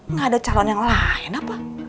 nggak ada calon yang lain apa